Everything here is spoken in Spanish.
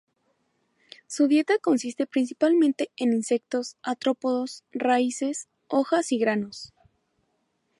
Su dieta consiste principalmente en insectos, artrópodos, raíces, hojas y granos.